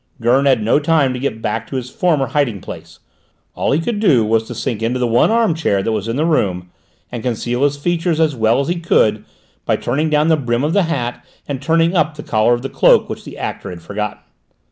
Gurn had no time to get back to his former hiding place; all he could do was to sink into the one arm chair that was in the room, and conceal his features as well as he could by turning down the brim of the hat and turning up the collar of the cloak which the actor had forgotten.